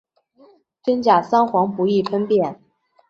真假桑黄不易分辨。